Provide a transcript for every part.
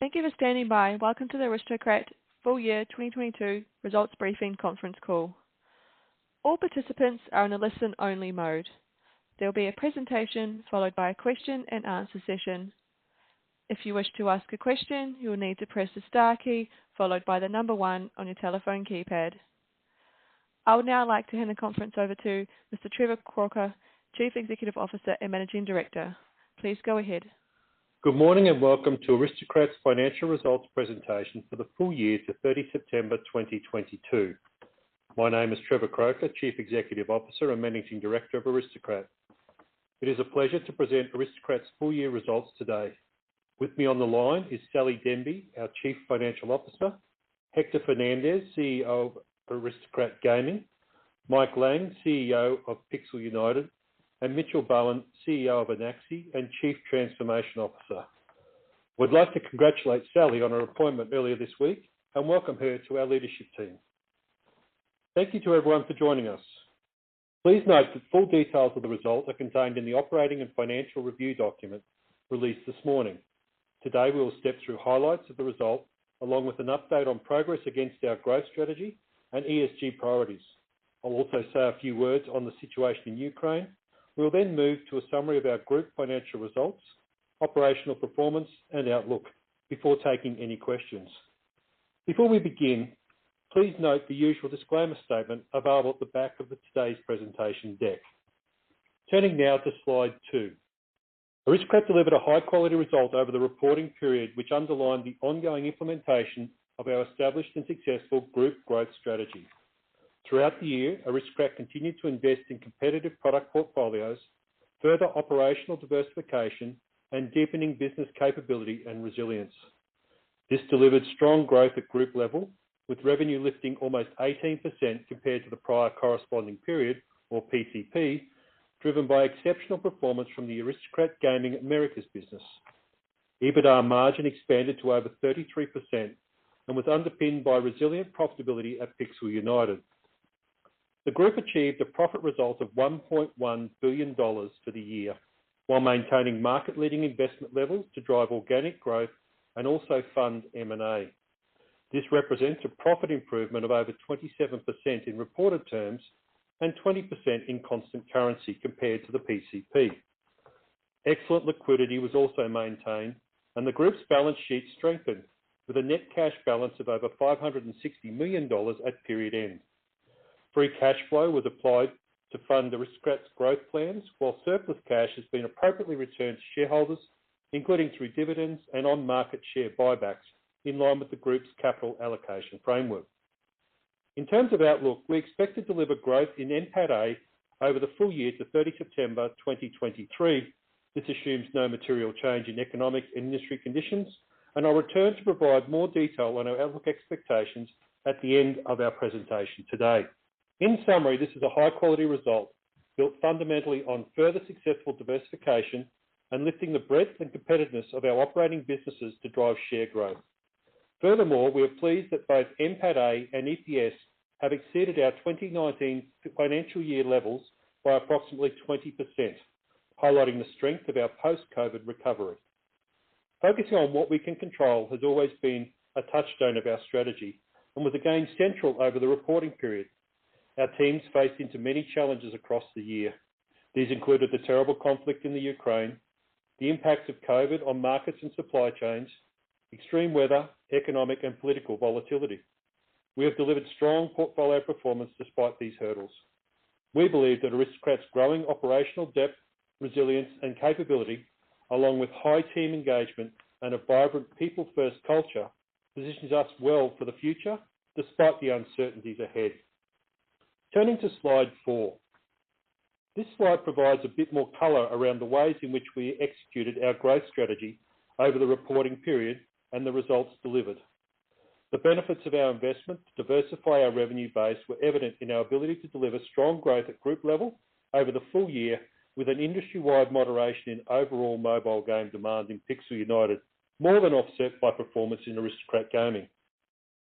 Thank you for standing by. Welcome to the Aristocrat Full Year 2022 Results Briefing Conference Call. All participants are in a listen-only mode. There will be a presentation followed by a question-and-answer session. If you wish to ask a question, you will need to press the star key followed by the number one on your telephone keypad. I would now like to hand the conference over to Mr. Trevor Croker, Chief Executive Officer and Managing Director. Please go ahead. Good morning, and welcome to Aristocrat's financial results presentation for the full year to 30 September 2022. My name is Trevor Croker, Chief Executive Officer and Managing Director of Aristocrat. It is a pleasure to present Aristocrat's full-year results today. With me on the line is Sally Denby, our Chief Financial Officer, Hector Fernandez, CEO of Aristocrat Gaming, Mike Lang, CEO of Pixel United, and Mitchell Bowen, CEO of Anaxi and Chief Transformation Officer. We'd like to congratulate Sally on her appointment earlier this week and welcome her to our leadership team. Thank you to everyone for joining us. Please note that full details of the result are contained in the operating and financial review document released this morning. Today, we will step through highlights of the result, along with an update on progress against our growth strategy and ESG priorities. I'll also say a few words on the situation in Ukraine. We'll then move to a summary of our group financial results, operational performance, and outlook before taking any questions. Before we begin, please note the usual disclaimer statement available at the back of today's presentation deck. Turning now to slide two. Aristocrat delivered a high-quality result over the reporting period, which underlined the ongoing implementation of our established and successful group growth strategy. Throughout the year, Aristocrat continued to invest in competitive product portfolios, further operational diversification, and deepening business capability and resilience. This delivered strong growth at group level, with revenue lifting almost 18% compared to the prior corresponding period, or PCP, driven by exceptional performance from the Aristocrat Gaming Americas business. EBITDA margin expanded to over 33% and was underpinned by resilient profitability at Pixel United. The group achieved a profit result of 1.1 billion dollars for the year while maintaining market-leading investment levels to drive organic growth and also fund M&A. This represents a profit improvement of over 27% in reported terms and 20% in constant currency compared to the PCP. Excellent liquidity was also maintained, and the group's balance sheet strengthened with a net cash balance of over 560 million dollars at period end. Free cash flow was applied to fund Aristocrat's growth plans while surplus cash has been appropriately returned to shareholders, including through dividends and on-market share buybacks, in line with the group's capital allocation framework. In terms of outlook, we expect to deliver growth in NPATA over the full year to 30 September 2023. This assumes no material change in economic industry conditions, and I'll return to provide more detail on our outlook expectations at the end of our presentation today. In summary, this is a high-quality result built fundamentally on further successful diversification and lifting the breadth and competitiveness of our operating businesses to drive share growth. Furthermore, we are pleased that both NPATA and EPS have exceeded our 2019 financial year levels by approximately 20%, highlighting the strength of our post-COVID recovery. Focusing on what we can control has always been a touchstone of our strategy and was again central over the reporting period. Our teams faced into many challenges across the year. These included the terrible conflict in the Ukraine, the impacts of COVID on markets and supply chains, extreme weather, economic and political volatility. We have delivered strong portfolio performance despite these hurdles. We believe that Aristocrat's growing operational depth, resilience, and capability, along with high team engagement and a vibrant people-first culture, positions us well for the future despite the uncertainties ahead. Turning to slide four. This slide provides a bit more color around the ways in which we executed our growth strategy over the reporting period and the results delivered. The benefits of our investment to diversify our revenue base were evident in our ability to deliver strong growth at group level over the full year, with an industry-wide moderation in overall mobile game demand in Pixel United more than offset by performance in Aristocrat Gaming.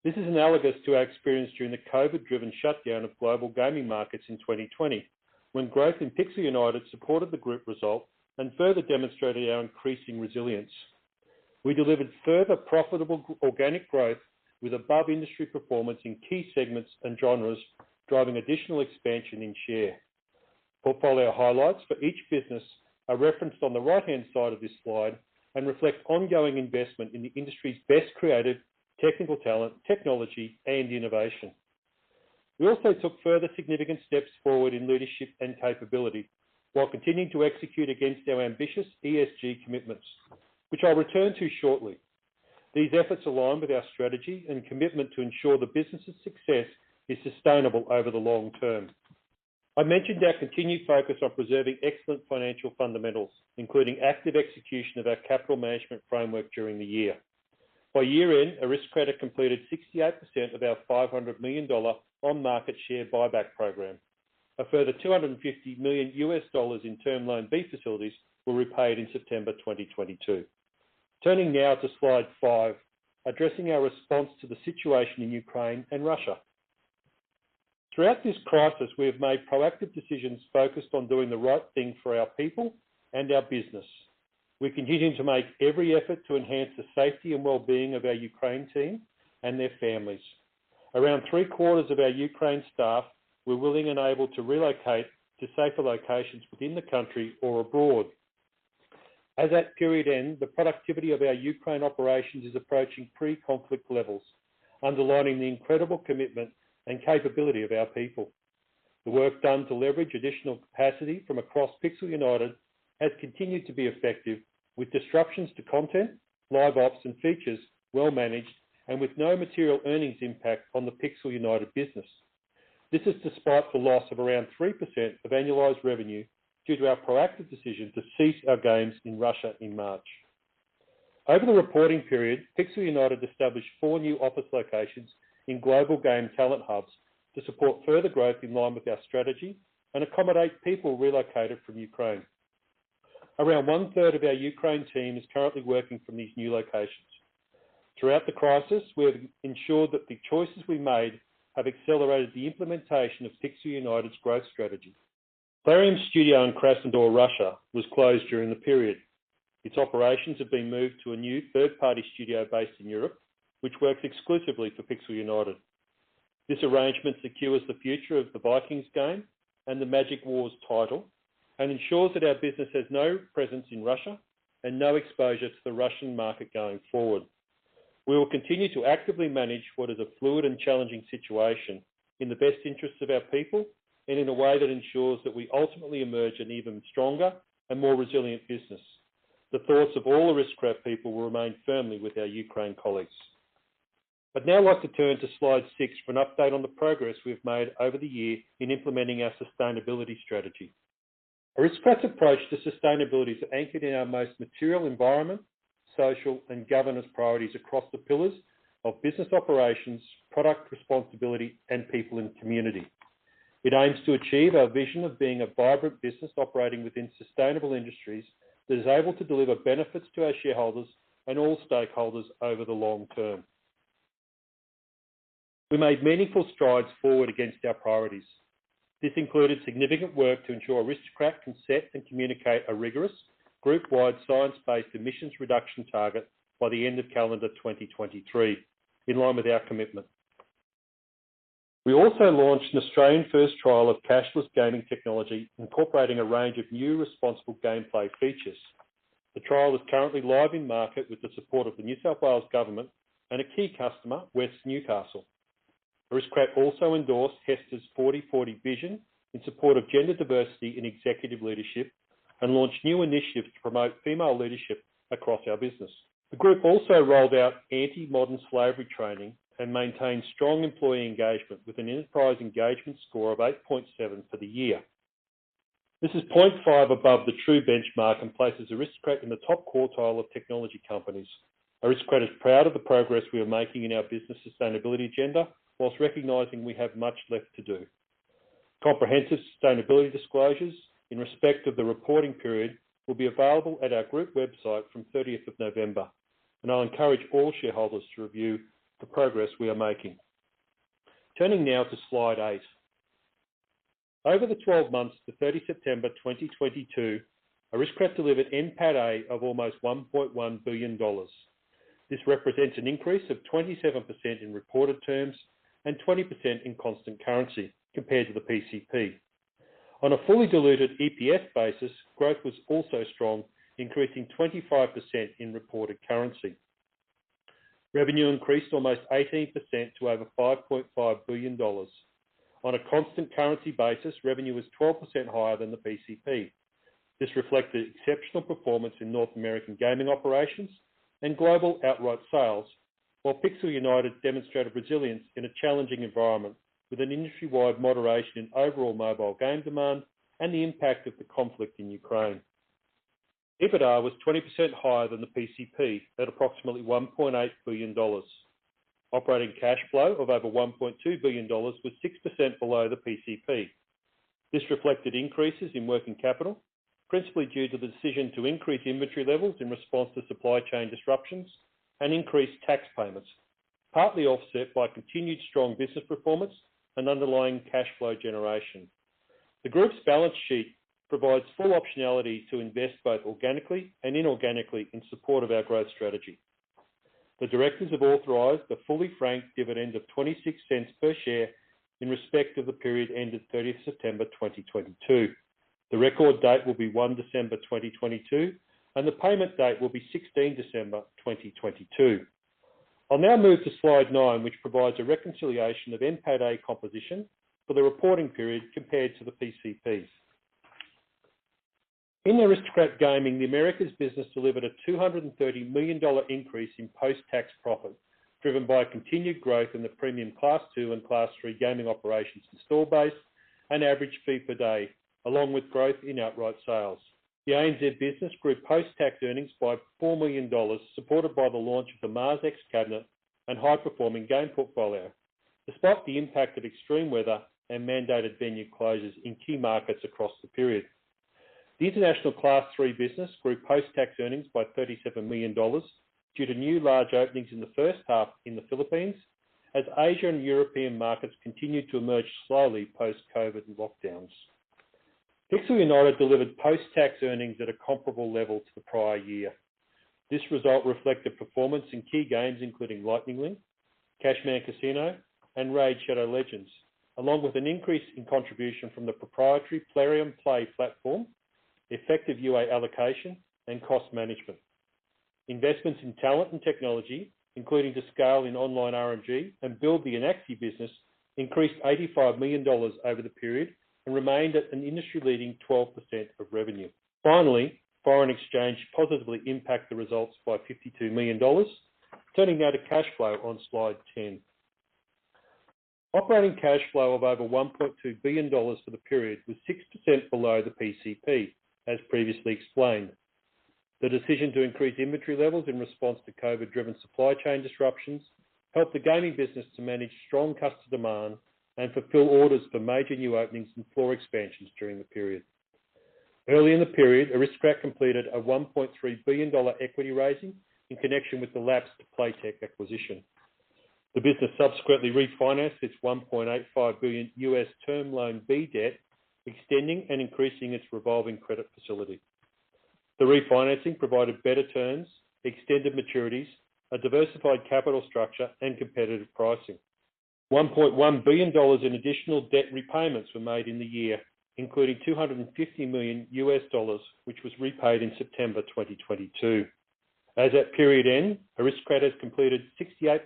This is analogous to our experience during the COVID-driven shutdown of global gaming markets in 2020, when growth in Pixel United supported the group result and further demonstrated our increasing resilience. We delivered further profitable organic growth with above-industry performance in key segments and genres, driving additional expansion in share. Portfolio highlights for each business are referenced on the right-hand side of this slide and reflect ongoing investment in the industry's best creative technical talent, technology, and innovation. We also took further significant steps forward in leadership and capability while continuing to execute against our ambitious ESG commitments, which I'll return to shortly. These efforts align with our strategy and commitment to ensure the business' success is sustainable over the long term. I mentioned our continued focus on preserving excellent financial fundamentals, including active execution of our capital management framework during the year. By year-end, Aristocrat completed 68% of our 500 million dollar on-market share buyback program. A further $250 million in Term Loan B facilities were repaid in September 2022. Turning now to slide five, addressing our response to the situation in Ukraine and Russia. Throughout this crisis, we have made proactive decisions focused on doing the right thing for our people and our business. We continue to make every effort to enhance the safety and well-being of our Ukraine team and their families. Around three-quarters of our Ukraine staff were willing and able to relocate to safer locations within the country or abroad. As at period end, the productivity of our Ukraine operations is approaching pre-conflict levels, underlining the incredible commitment and capability of our people. The work done to leverage additional capacity from across Pixel United has continued to be effective, with disruptions to content, Live Ops, and features well managed and with no material earnings impact on the Pixel United business. This is despite the loss of around 3% of annualized revenue due to our proactive decision to cease our games in Russia in March. Over the reporting period, Pixel United established four new office locations in global game talent hubs to support further growth in line with our strategy and accommodate people relocated from Ukraine. Around one-third of our Ukraine team is currently working from these new locations. Throughout the crisis, we have ensured that the choices we made have accelerated the implementation of Pixel United's growth strategy. Plarium studio in Krasnodar, Russia, was closed during the period. Its operations have been moved to a new third-party studio based in Europe, which works exclusively for Pixel United. This arrangement secures the future of the Vikings game and the Magic Wars title and ensures that our business has no presence in Russia and no exposure to the Russian market going forward. We will continue to actively manage what is a fluid and challenging situation in the best interests of our people and in a way that ensures that we ultimately emerge an even stronger and more resilient business. The thoughts of all Aristocrat people will remain firmly with our Ukraine colleagues. I'd now like to turn to slide six for an update on the progress we've made over the year in implementing our sustainability strategy. Aristocrat's approach to sustainability is anchored in our most material environment, social, and governance priorities across the pillars of business operations, product responsibility, and people in the community. It aims to achieve our vision of being a vibrant business operating within sustainable industries that is able to deliver benefits to our shareholders and all stakeholders over the long term. We made meaningful strides forward against our priorities. This included significant work to ensure Aristocrat can set and communicate a rigorous group-wide science-based emissions reduction target by the end of calendar 2023, in line with our commitment. We also launched an Australian first trial of cashless gaming technology, incorporating a range of new responsible gameplay features. The trial is currently live in market with the support of the New South Wales government and a key customer, Wests Newcastle. Aristocrat also endorsed HESTA's 40:40 Vision in support of gender diversity in executive leadership and launched new initiatives to promote female leadership across our business. The group also rolled out anti-modern slavery training and maintained strong employee engagement with an enterprise engagement score of 8.7 for the year. This is 0.5 above the Truven Benchmark and places Aristocrat in the top quartile of technology companies. Aristocrat is proud of the progress we are making in our business sustainability agenda while recognizing we have much left to do. Comprehensive sustainability disclosures in respect of the reporting period will be available at our group website from 30th of November, and I'll encourage all shareholders to review the progress we are making. Turning now to slide eight. Over the 12 months to 30 September 2022, Aristocrat delivered NPATA of almost 1.1 billion dollars. This represents an increase of 27% in reported terms and 20% in constant currency compared to the PCP. On a fully diluted EPS basis, growth was also strong, increasing 25% in reported currency. Revenue increased almost 18% to over 5.5 billion dollars. On a constant currency basis, revenue was 12% higher than the PCP. This reflected exceptional performance in North American gaming operations and global outright sales, while Pixel United demonstrated resilience in a challenging environment with an industry-wide moderation in overall mobile game demand and the impact of the conflict in Ukraine. EBITDA was 20% higher than the PCP at approximately 1.8 billion dollars. Operating cash flow of over 1.2 billion dollars was 6% below the PCP. This reflected increases in working capital, principally due to the decision to increase inventory levels in response to supply chain disruptions and increased tax payments, partly offset by continued strong business performance and underlying cash flow generation. The group's balance sheet provides full optionality to invest both organically and inorganically in support of our growth strategy. The directors have authorized the fully franked dividend of 0.26 per share in respect of the period ended 30 September 2022. The record date will be 1 December 2022, and the payment date will be 16 December 2022. I'll now move to slide nine, which provides a reconciliation of NPATA composition for the reporting period compared to the PCPs. In Aristocrat Gaming, the Americas business delivered a $230 million increase in post-tax profit, driven by continued growth in the premium Class II and Class III gaming operations and store base and average fee per day, along with growth in outright sales. The ANZ business grew post-tax earnings by 4 million dollars, supported by the launch of the MarsX cabinet and high-performing game portfolio. Despite the impact of extreme weather and mandated venue closures in key markets across the period. The international Class III business grew post-tax earnings by 37 million dollars due to new large openings in the first half in the Philippines, as Asia and European markets continued to emerge slowly post-COVID and lockdowns. Pixel United delivered post-tax earnings at a comparable level to the prior year. This result reflected performance in key games, including Lightning Link, Cashman Casino, and RAID: Shadow Legends, along with an increase in contribution from the proprietary Plarium Play platform, effective UA allocation, and cost management. Investments in talent and technology, including the scaling in online RNG and building the Anaxi business, increased 85 million dollars over the period and remained at an industry-leading 12% of revenue. Finally, foreign exchange positively impacted the results by 52 million dollars. Turning now to cash flow on Slide 10. Operating cash flow of over 1.2 billion dollars for the period was 6% below the PCP, as previously explained. The decision to increase inventory levels in response to COVID-driven supply chain disruptions helped the gaming business to manage strong customer demand and fulfill orders for major new openings and floor expansions during the period. Early in the period, Aristocrat completed a 1.3 billion dollar equity raising in connection with the lapsed Playtech acquisition. The business subsequently refinanced its $1.85 billion U.S. Term Loan B debt, extending and increasing its revolving credit facility. The refinancing provided better terms, extended maturities, a diversified capital structure, and competitive pricing. $1.1 billion in additional debt repayments were made in the year, including $250 million U.S. dollars, which was repaid in September 2022. As at period end, Aristocrat has completed 68%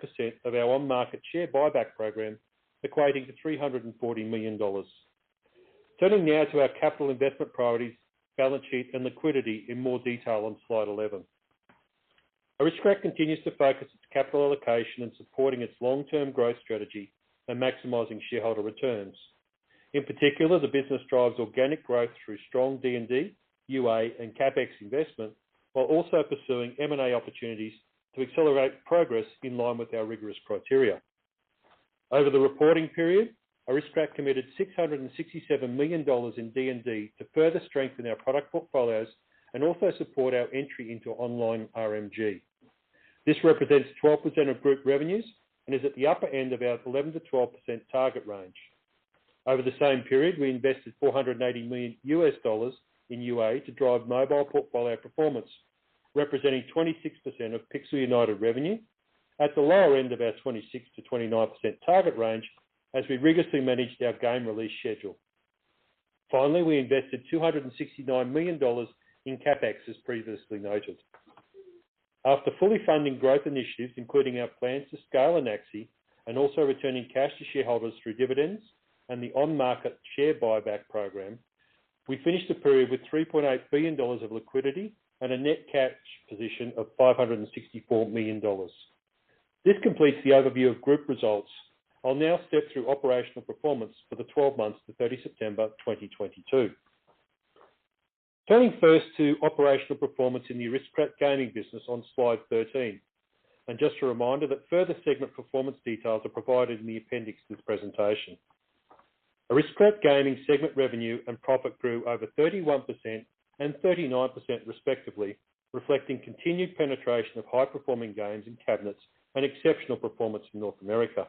of our on-market share buyback program, equating to 340 million dollars. Turning now to our capital investment priorities, balance sheet, and liquidity in more detail on slide 11. Aristocrat continues to focus its capital allocation in supporting its long-term growth strategy and maximizing shareholder returns. In particular, the business drives organic growth through strong D&D, UA, and CapEx investment, while also pursuing M&A opportunities to accelerate progress in line with our rigorous criteria. Over the reporting period, Aristocrat committed 667 million dollars in D&D to further strengthen our product portfolios and also support our entry into online RMG. This represents 12% of group revenues and is at the upper end of our 11%-12% target range. Over the same period, we invested $480 million in UA to drive mobile portfolio performance, representing 26% of Pixel United revenue at the lower end of our 26%-29% target range as we rigorously managed our game release schedule. Finally, we invested 269 million dollars in CapEx, as previously noted. After fully funding growth initiatives, including our plans to scale Anaxi and also returning cash to shareholders through dividends and the on-market share buyback program, we finished the period with 3.8 billion dollars of liquidity and a net cash position of 564 million dollars. This completes the overview of group results. I'll now step through operational performance for the 12 months to 30 September 2022. Turning first to operational performance in the Aristocrat Gaming business on slide 13. Just a reminder that further segment performance details are provided in the appendix to this presentation. Aristocrat Gaming segment revenue and profit grew over 31% and 39% respectively, reflecting continued penetration of high-performing games and cabinets and exceptional performance in North America.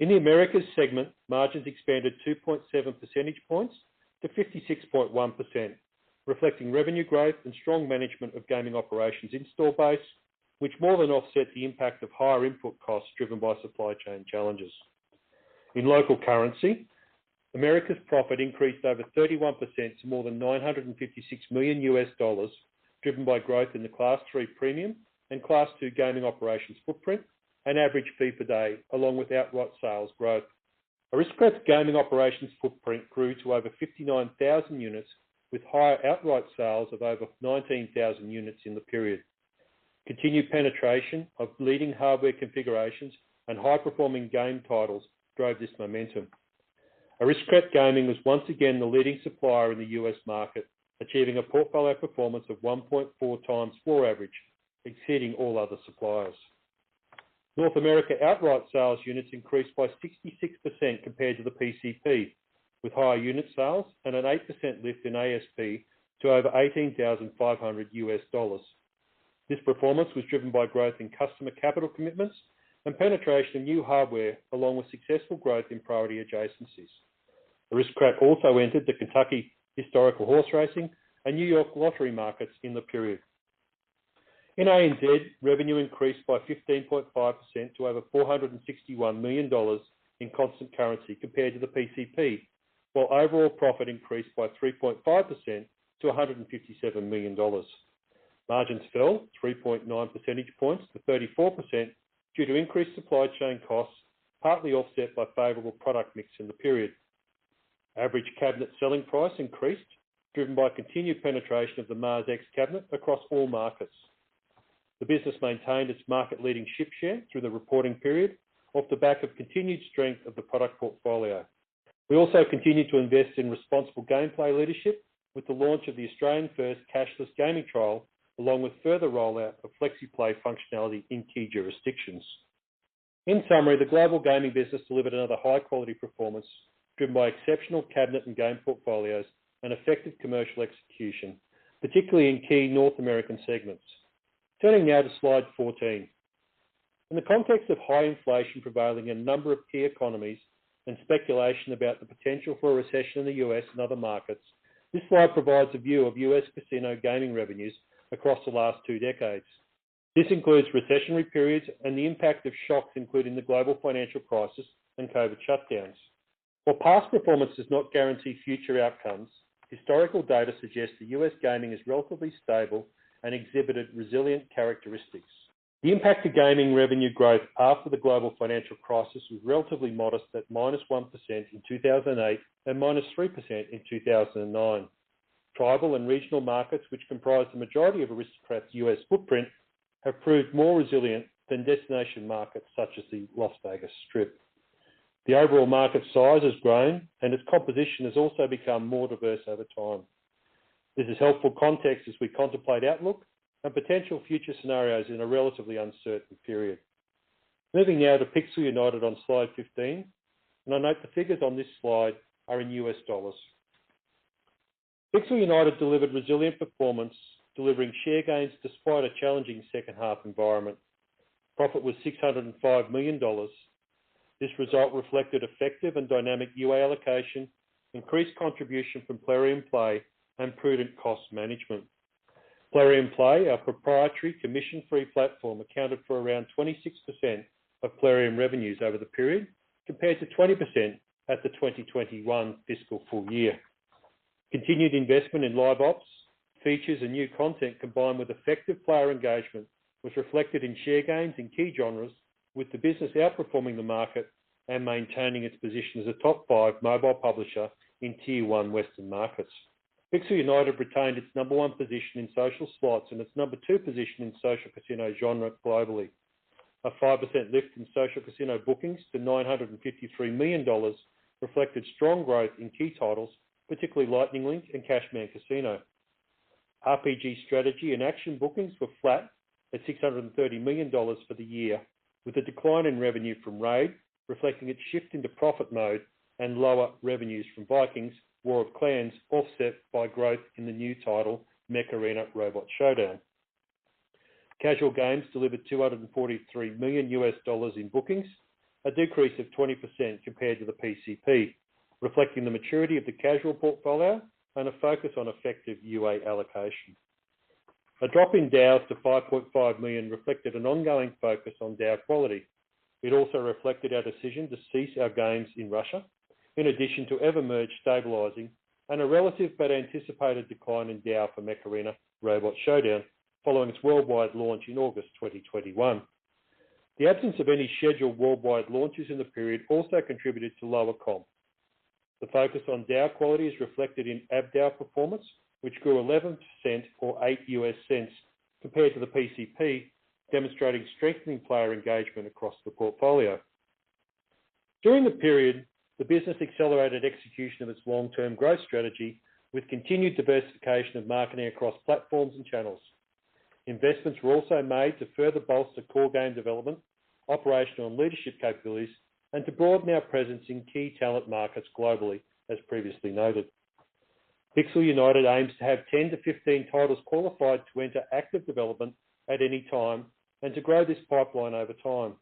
In the Americas segment, margins expanded 2.7 percentage points to 56.1%, reflecting revenue growth and strong management of gaming operations in store base, which more than offset the impact of higher input costs driven by supply chain challenges. In local currency, Americas profit increased over 31% to more than $956 million, driven by growth in the Class III premium and Class II gaming operations footprint and average fee per day, along with outright sales growth. Aristocrat's Gaming operations footprint grew to over 59,000 units, with higher outright sales of over 19,000 units in the period. Continued penetration of leading hardware configurations and high-performing game titles drove this momentum. Aristocrat Gaming was once again the leading supplier in the U.S. market, achieving a portfolio performance of 1.4 times floor average, exceeding all other suppliers. North America outright sales units increased by 66% compared to the PCP, with higher unit sales and an 8% lift in ASP to over $18,500. This performance was driven by growth in customer capital commitments and penetration of new hardware, along with successful growth in priority adjacencies. Aristocrat also entered the Kentucky Historical Horse Racing and New York Lottery markets in the period. In ANZ, revenue increased by 15.5% to over 461 million dollars in constant currency compared to the PCP, while overall profit increased by 3.5% to 157 million dollars. Margins fell 3.9 percentage points to 34% due to increased supply chain costs, partly offset by favorable product mix in the period. Average cabinet selling price increased, driven by continued penetration of the MarsX cabinet across all markets. The business maintained its market-leading ship share through the reporting period off the back of continued strength of the product portfolio. We also continued to invest in responsible gameplay leadership with the launch of Australia's first cashless gaming trial, along with further rollout of Flexi Play functionality in key jurisdictions. In summary, the global gaming business delivered another high-quality performance driven by exceptional cabinet and game portfolios and effective commercial execution, particularly in key North American segments. Turning now to slide 14. In the context of high inflation prevailing in a number of key economies and speculation about the potential for a recession in the U.S. and other markets, this slide provides a view of U.S. casino gaming revenues across the last two decades. This includes recessionary periods and the impact of shocks, including the global financial crisis and COVID shutdowns. While past performance does not guarantee future outcomes, historical data suggests that U.S. gaming is relatively stable and exhibited resilient characteristics. The impact of gaming revenue growth after the global financial crisis was relatively modest, at -1% in 2008, and -3% in 2009. Tribal and regional markets, which comprise the majority of Aristocrat's U.S. footprint, have proved more resilient than destination markets such as the Las Vegas Strip. The overall market size has grown, and its composition has also become more diverse over time. This is helpful context as we contemplate outlook and potential future scenarios in a relatively uncertain period. Moving now to Pixel United on slide 15, and I note the figures on this slide are in U.S. dollars. Pixel United delivered resilient performance, delivering share gains despite a challenging second half environment. Profit was $605 million. This result reflected effective and dynamic UA allocation, increased contribution from Plarium Play, and prudent cost management. Plarium Play, our proprietary commission-free platform, accounted for around 26% of Plarium revenues over the period, compared to 20% at the 2021 fiscal full year. Continued investment in Live Ops, features, and new content, combined with effective player engagement, was reflected in share gains in key genres, with the business outperforming the market and maintaining its position as a top five mobile publisher in tier one Western markets. Pixel United retained its number one position in social slots and its number two position in social casino genre globally. A 5% lift in social casino bookings to $953 million reflected strong growth in key titles, particularly Lightning Link and Cashman Casino. RPG strategy and action bookings were flat at $630 million for the year, with a decline in revenue from RAID reflecting its shift into profit mode and lower revenues from Vikings: War of Clans, offset by growth in the new title, Mech Arena: Robot Showdown. Casual games delivered $243 million in bookings, a decrease of 20% compared to the PCP, reflecting the maturity of the casual portfolio and a focus on effective UA allocation. A drop in DAU to 5.5 million reflected an ongoing focus on DAU quality. It also reflected our decision to cease our games in Russia, in addition to EverMerge stabilizing and a relative but anticipated decline in DAU for Mech Arena: Robot Showdown following its worldwide launch in August 2021. The absence of any scheduled worldwide launches in the period also contributed to lower comp. The focus on DAU quality is reflected in ARPDAU performance, which grew 11% or $0.08 compared to the PCP, demonstrating strengthening player engagement across the portfolio. During the period, the business accelerated execution of its long-term growth strategy with continued diversification of marketing across platforms and channels. Investments were also made to further bolster core game development, operational and leadership capabilities, and to broaden our presence in key talent markets globally, as previously noted. Pixel United aims to have 10-15 titles qualified to enter active development at any time and to grow this pipeline over time.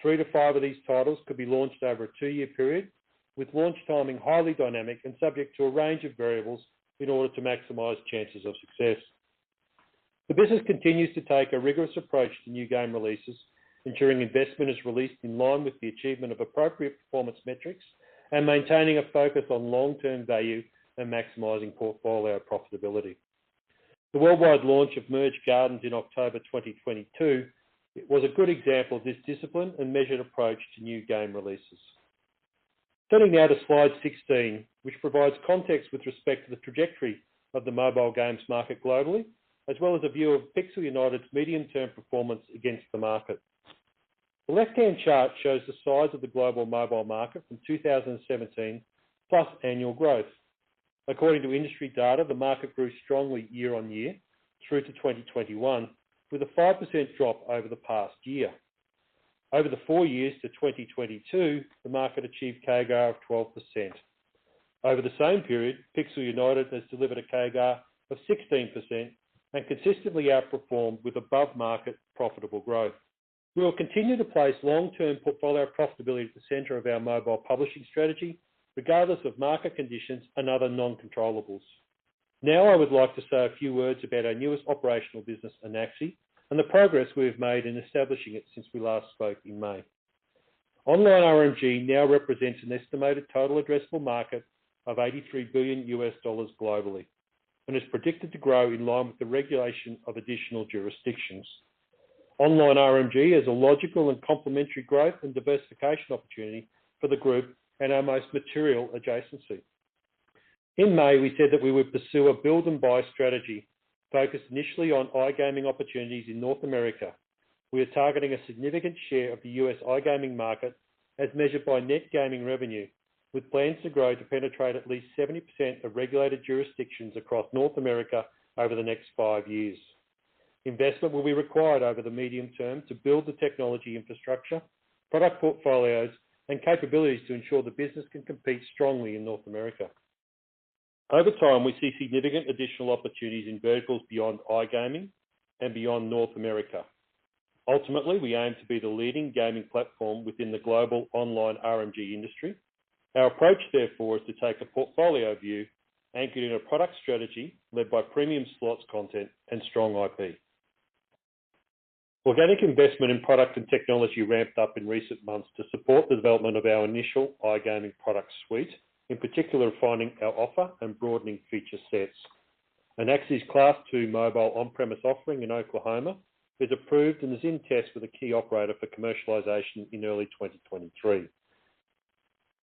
Three to five of these titles could be launched over a two-year period, with launch timing highly dynamic and subject to a range of variables in order to maximize chances of success. The business continues to take a rigorous approach to new game releases, ensuring investment is released in line with the achievement of appropriate performance metrics and maintaining a focus on long-term value and maximizing portfolio profitability. The worldwide launch of Merge Gardens in October 2022 was a good example of this discipline and measured approach to new game releases. Turning now to slide 16, which provides context with respect to the trajectory of the mobile games market globally, as well as a view of Pixel United's medium-term performance against the market. The left-hand chart shows the size of the global mobile market from 2017, plus annual growth. According to industry data, the market grew strongly year on year through to 2021, with a 5% drop over the past year. Over the four years to 2022, the market achieved CAGR of 12%. Over the same period, Pixel United has delivered a CAGR of 16% and consistently outperformed with above-market profitable growth. We will continue to place long-term portfolio profitability at the center of our mobile publishing strategy, regardless of market conditions and other non-controllables. Now I would like to say a few words about our newest operational business, Anaxi, and the progress we have made in establishing it since we last spoke in May. Online RMG now represents an estimated total addressable market of $83 billion globally and is predicted to grow in line with the regulation of additional jurisdictions. Online RMG is a logical and complementary growth and diversification opportunity for the group and our most material adjacency. In May, we said that we would pursue a build and buy strategy focused initially on iGaming opportunities in North America. We are targeting a significant share of the U.S. iGaming market as measured by net gaming revenue. With plans to grow to penetrate at least 70% of regulated jurisdictions across North America over the next five years. Investment will be required over the medium-term to build the technology infrastructure, product portfolios, and capabilities to ensure the business can compete strongly in North America. Over time, we see significant additional opportunities in verticals beyond iGaming and beyond North America. Ultimately, we aim to be the leading gaming platform within the global online RMG industry. Our approach, therefore, is to take a portfolio view anchored in a product strategy led by premium slots content and strong IP. Organic investment in product and technology ramped up in recent months to support the development of our initial iGaming product suite. In particular, refining our offer and broadening feature sets. Anaxi's Class II mobile on-premise offering in Oklahoma is approved and is in test with a key operator for commercialization in early 2023.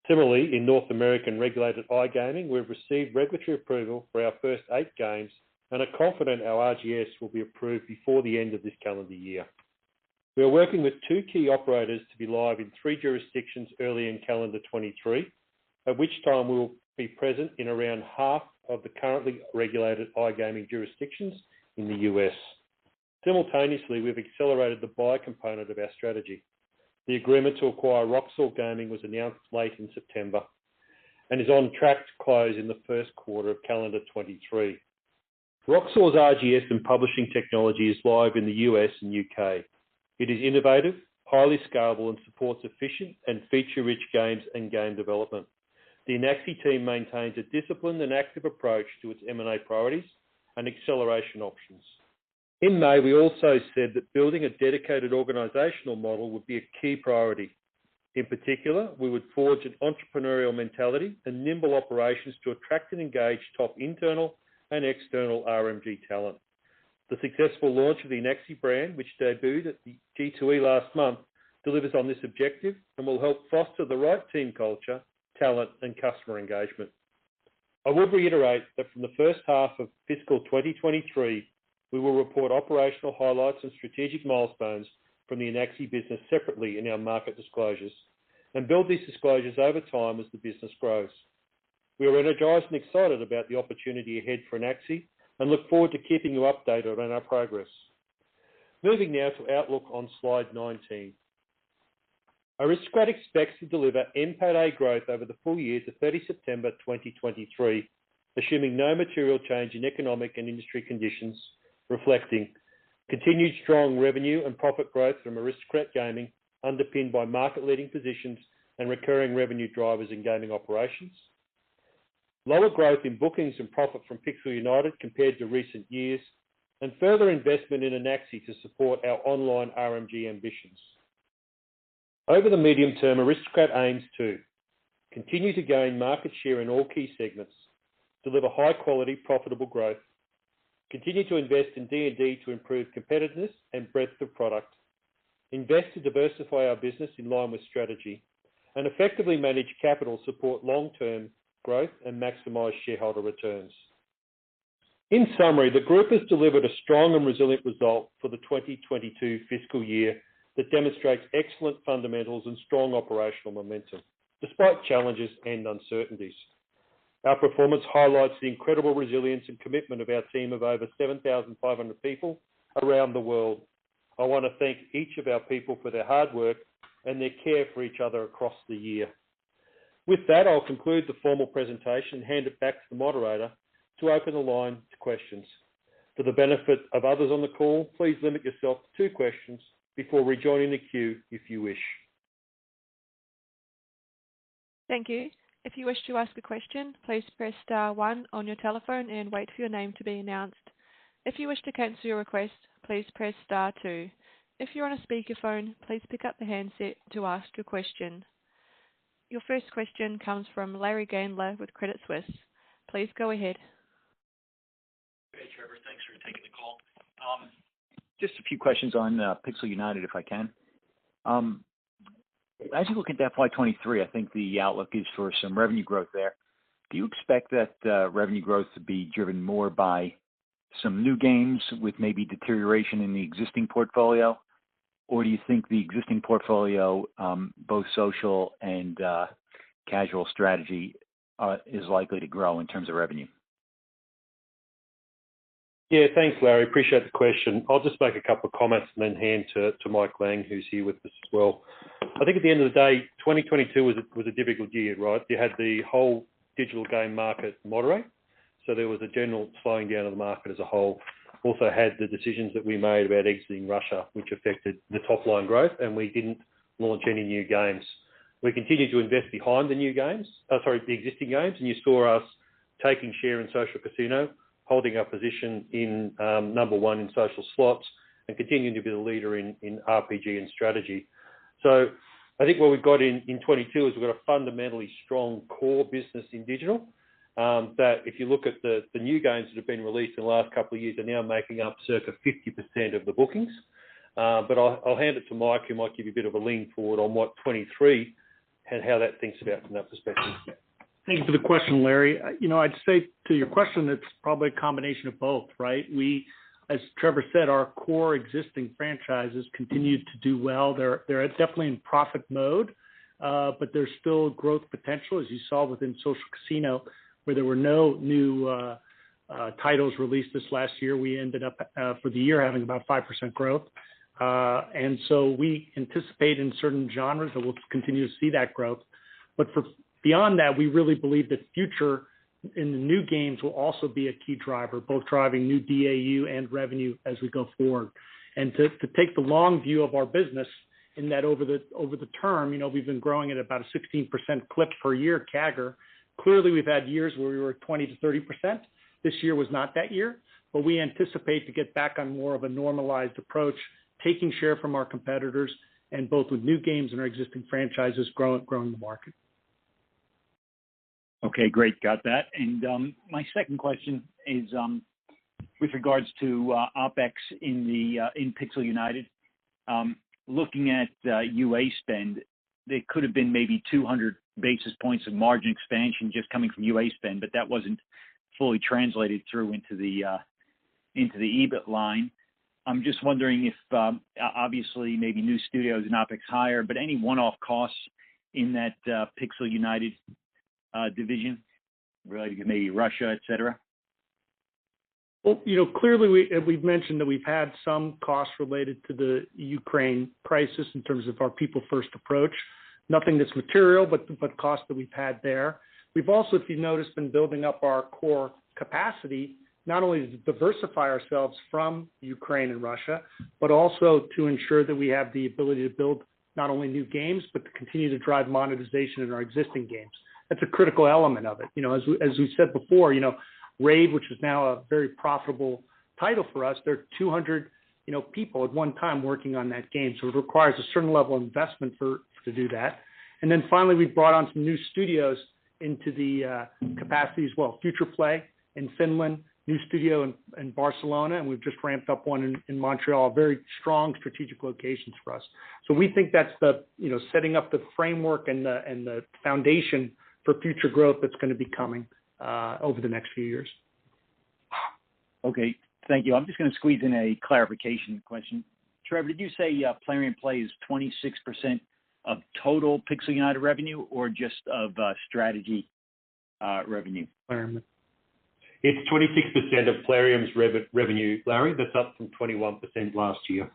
Similarly, in North American regulated iGaming, we've received regulatory approval for our first eight games and are confident our RGS will be approved before the end of this calendar year. We are working with two key operators to be live in three jurisdictions early in calendar 2023. At which time we will be present in around half of the currently regulated iGaming jurisdictions in the U.S. Simultaneously, we've accelerated the buy component of our strategy. The agreement to acquire Roxor Gaming was announced late in September, and is on track to close in the first quarter of calendar 2023. Roxor's RGS and publishing technology is live in the U.S. and U.K. It is innovative, highly scalable, and supports efficient and feature-rich games and game development. The Anaxi team maintains a disciplined and active approach to its M&A priorities and acceleration options. In May, we also said that building a dedicated organizational model would be a key priority. In particular, we would forge an entrepreneurial mentality and nimble operations to attract and engage top internal and external RMG talent. The successful launch of the Anaxi brand, which debuted at the G2E last month, delivers on this objective and will help foster the right team culture, talent, and customer engagement. I will reiterate that from the first half of fiscal 2023, we will report operational highlights and strategic milestones from the Anaxi business separately in our market disclosures and build these disclosures over time as the business grows. We are energized and excited about the opportunity ahead for Anaxi, and look forward to keeping you updated on our progress. Moving now to outlook on slide 19. Aristocrat expects to deliver NPATA growth over the full year to 30 September 2023, assuming no material change in economic and industry conditions, reflecting continued strong revenue and profit growth from Aristocrat Gaming, underpinned by market-leading positions and recurring revenue drivers in gaming operations. Lower growth in bookings and profit from Pixel United compared to recent years, and further investment in Anaxi to support our online RMG ambitions. Over the medium term, Aristocrat aims to continue to gain market share in all key segments, deliver high quality profitable growth, continue to invest in D&D to improve competitiveness and breadth of product, invest to diversify our business in line with strategy, and effectively manage capital, support long-term growth, and maximize shareholder returns. In summary, the group has delivered a strong and resilient result for the 2022 fiscal year that demonstrates excellent fundamentals and strong operational momentum, despite challenges and uncertainties. Our performance highlights the incredible resilience and commitment of our team of over 7,500 people around the world. I wanna thank each of our people for their hard work and their care for each other across the year. With that, I'll conclude the formal presentation and hand it back to the moderator to open the line to questions. For the benefit of others on the call, please limit yourself to two questions before rejoining the queue if you wish. Thank you. If you wish to ask a question, please press star one on your telephone and wait for your name to be announced. If you wish to cancel your request, please press star two. If you're on a speakerphone, please pick up the handset to ask your question. Your first question comes from Larry Gandler with Credit Suisse. Please go ahead. Hey, Trevor. Thanks for taking the call. Just a few questions on Pixel United, if I can. As you look at FY 2023, I think the outlook is for some revenue growth there. Do you expect that revenue growth to be driven more by some new games with maybe deterioration in the existing portfolio? Or do you think the existing portfolio, both social and casual strategy, is likely to grow in terms of revenue? Yeah. Thanks, Larry. Appreciate the question. I'll just make a couple of comments and then hand to Mike Lang, who's here with us as well. I think at the end of the day, 2022 was a difficult year, right? You had the whole digital game market moderate, so there was a general slowing down of the market as a whole. Also had the decisions that we made about exiting Russia, which affected the top-line growth, and we didn't launch any new games. We continued to invest behind the existing games, and you saw us taking share in social casino, holding our position in number one in social slots and continuing to be the leader in RPG and strategy. I think what we've got in 2022 is we've got a fundamentally strong core business in digital, that if you look at the new games that have been released in the last couple of years are now making up circa 50% of the bookings. But I'll hand it to Mike, who might give you a bit of a lookahead on what 2023 and how that thinks about from that perspective. Thank you for the question, Larry. You know, I'd say to your question, it's probably a combination of both, right? As Trevor said, our core existing franchises continued to do well. They're definitely in profit mode, but there's still growth potential, as you saw within social casino, where there were no new titles released this last year. We ended up for the year having about 5% growth. We anticipate in certain genres that we'll continue to see that growth. For beyond that, we really believe the future in the new games will also be a key driver, both driving new DAU and revenue as we go forward. To take the long view of our business in that over the term, you know, we've been growing at about a 16% clip per year CAGR. Clearly, we've had years where we were 20%-30%. This year was not that year. We anticipate to get back on more of a normalized approach, taking share from our competitors and both with new games and our existing franchises growing the market. Okay. Great. Got that. My second question is with regards to OpEx in Pixel United. Looking at UA spend, there could have been maybe 200 basis points of margin expansion just coming from UA spend, but that wasn't fully translated through into the EBIT line. I'm just wondering if obviously maybe new studios and OpEx higher, but any one-off costs in that Pixel United division related to maybe Russia, et cetera? You know, clearly we've mentioned that we've had some costs related to the Ukraine crisis in terms of our people first approach. Nothing that's material, but costs that we've had there. We've also, if you've noticed, been building up our core capacity, not only to diversify ourselves from Ukraine and Russia, but also to ensure that we have the ability to build not only new games, but to continue to drive monetization in our existing games. That's a critical element of it. You know, as we said before, you know, RAID, which is now a very profitable title for us, there are 200, you know, people at one time working on that game. So it requires a certain level of investment for to do that. Finally, we've brought on some new studios into the capacity as well. Futureplay in Finland, new studio in Barcelona, and we've just ramped up one in Montreal, very strong strategic locations for us. We think that's, you know, setting up the framework and the foundation for future growth that's gonna be coming over the next few years. Okay. Thank you. I'm just gonna squeeze in a clarification question. Trevor, did you say Plarium Play is 26% of total Pixel United revenue or just of strategy revenue? Plarium. It's 26% of Plarium's revenue, Larry. That's up from 21% last year.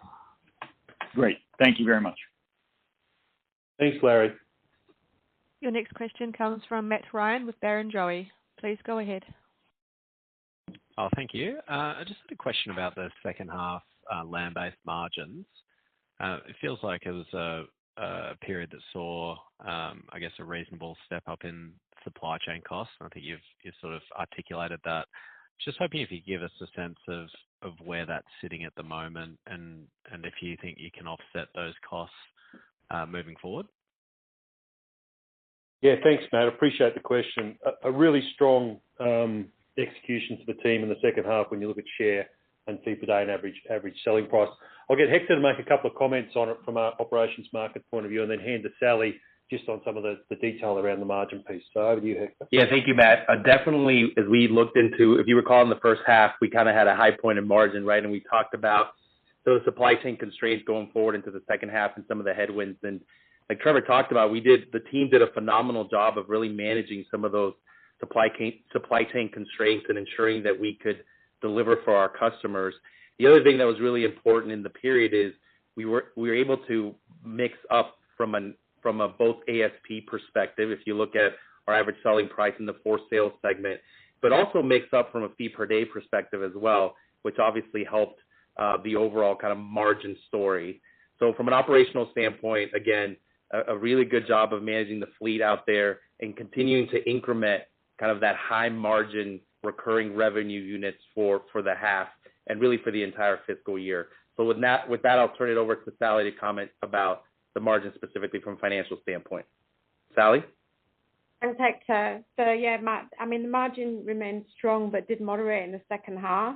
Great. Thank you very much. Thanks, Larry. Your next question comes from Matt Ryan with Barrenjoey. Please go ahead. Thank you. I just had a question about the second half, land-based margins. It feels like it was a period that saw, I guess, a reasonable step up in supply chain costs. I think you've sort of articulated that. Just hoping if you could give us a sense of where that's sitting at the moment and if you think you can offset those costs moving forward. Yeah. Thanks, Matt. Appreciate the question. A really strong execution to the team in the second half when you look at share and fee per day and average selling price. I'll get Hector to make a couple of comments on it from our operations market point of view and then hand to Sally just on some of the detail around the margin piece. Over to you, Hector. Yeah. Thank you, Matt. Definitely as we looked into. If you recall in the first half, we kinda had a high point of margin, right? We talked about those supply chain constraints going forward into the second half and some of the headwinds. Like Trevor talked about, the team did a phenomenal job of really managing some of those supply chain constraints and ensuring that we could deliver for our customers. The other thing that was really important in the period is we were able to mix up from both an ASP perspective, if you look at our average selling price in the core sales segment, but also mix up from a fee per day perspective as well, which obviously helped the overall kinda margin story. From an operational standpoint, again, a really good job of managing the fleet out there and continuing to increment kind of that high margin recurring revenue units for the half and really for the entire fiscal year. With that, I'll turn it over to Sally to comment about the margin specifically from a financial standpoint. Sally. Thanks, Hector. Yeah, Matt, I mean, the margin remained strong but did moderate in the second half,